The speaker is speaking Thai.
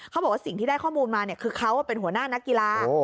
เขาบอกว่าสิ่งที่ได้ข้อมูลมาคือเขาเป็นหัวหน้านักกีฬา